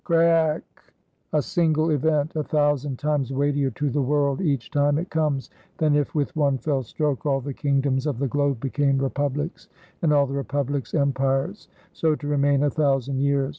Craake! A single event, a thousand times weightier to the world, each time it comes, than if with one fell stroke all the kingdoms of the globe became republics and all the republics empires, so to remain a thousand years.